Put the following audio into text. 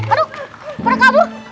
aduh aduh aduh